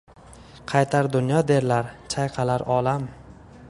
Qaytar dunyo derlar chayqalar olam.